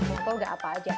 tentu nggak apa aja